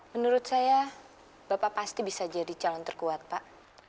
menurut saya bapak pasti bisa jadi calon terkuat pak